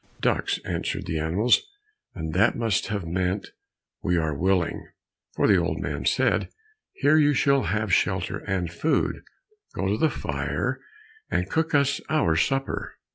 "Duks," answered the animals, and that must have meant, "We are willing," for the old man said, "Here you shall have shelter and food, go to the fire, and cook us our supper."